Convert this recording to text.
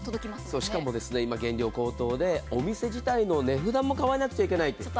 しかも、今、原料高騰で、お店自体の値札も変えなくちゃいけないと。